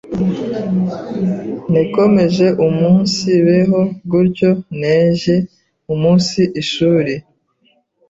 Nekomeje umunsibeho gutyo nejye umunsi ishuri